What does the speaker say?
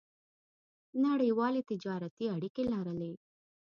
نړیوالې تجارتي اړیکې لرلې.